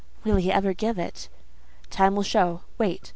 "Will he ever give it?" "Time will show. Wait."